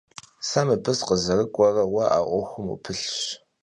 Se mıbı sıkhızerık'uere vue a 'uexum vupılhş.